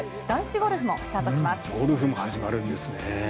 ゴルフも始まるんですね。